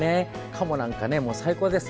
かもなんか最高です。